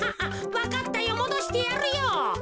わかったよもどしてやるよ。